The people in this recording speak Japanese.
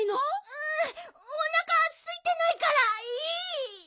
ううおなかすいてないからいい！